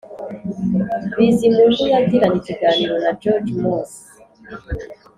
bizimungu yagiranye ikiganiro na george moose,